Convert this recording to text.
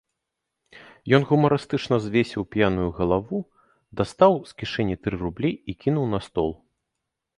Ён гумарыстычна звесіў п'яную галаву, дастаў з кішэні тры рублі і кінуў на стол.